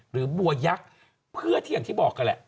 หรือบัวยักษ์อย่างที่บอกเวลา